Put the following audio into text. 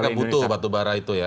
karena mereka butuh batubara itu ya